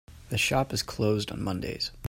The shop is closed on Mondays.